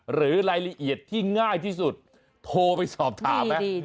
หรือรายละเอียดที่ง่ายที่สุดโทรไปสอบถามไหม